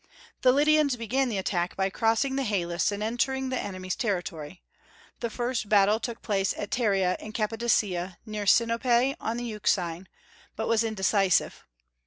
The Lydians began the attack by crossing the Halys and entering the enemy's territory. The first battle took place at Pteria in Cappadocia, near Sinope on the Euxine, but was indecisive.